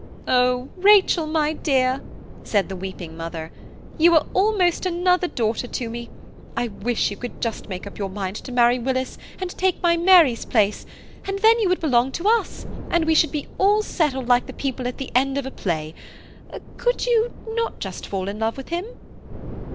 "Oh! Rachel, my dear," said the weeping mother, "you are almost another daughter to me. I wish you could make up your mind to marry Willis, and take my Mary's place, and then you would belong to us, and we should all be settled like the people at the end of a play. Could you not just fall in love with him?"